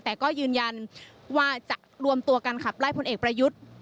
แต่ก็ยืนยันว่าจะรวมตัวกันขับไล่พลเอกประยุทธ์